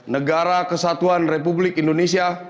negara kesatuan republik indonesia